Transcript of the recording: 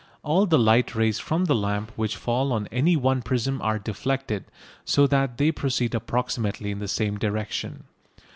All the light rays from the lamp which fall on any one prism are deflected, so that they proceed approximately in the same direction.